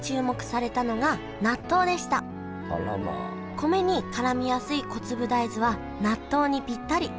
米にからみやすい小粒大豆は納豆にぴったり。